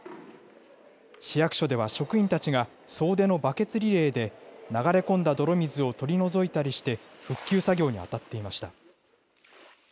市役所では職員たちが総出のバケツリレーで、流れ込んだ泥水を取り除いたりして、復旧作業に当たっていました。